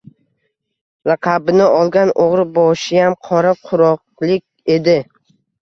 laqabini olgan o‘g‘riboshiyam qora-quroqlik edi.